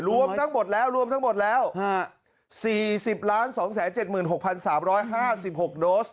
รวมทั้งหมดแล้วรวมทั้งหมดแล้วฮะสี่สิบล้านสองแสนเจ็ดหมื่นหกพันสามร้อยห้าสิบหกโดส